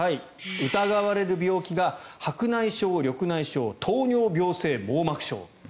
疑われる病気が白内障、緑内障糖尿病性網膜症。